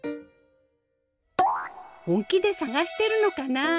本気で探してるのかな。